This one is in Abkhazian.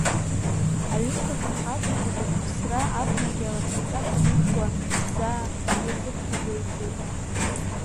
Аҩымҭа афырхаҵа хада иԥсра абнагьы алахьынҵа шаныԥшуа заа иазыԥхьагәеиҭеит…